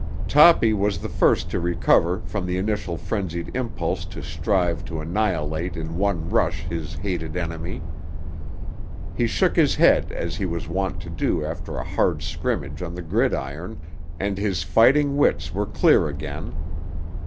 Toppy was the first to recover from the initial frensied impulse to strive to annihilate in one rush his hated enemy. He shook his head as he was wont to do after a hard scrimmage on the gridiron, and his fighting wits were clear again.